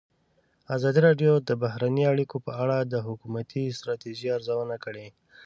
ازادي راډیو د بهرنۍ اړیکې په اړه د حکومتي ستراتیژۍ ارزونه کړې.